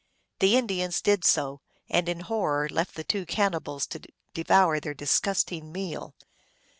The Indians did so, and in horror left the two cannibals to devour their dis gusting meal.